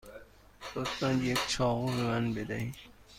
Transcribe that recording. لطفا یک چاقو به من بدهید.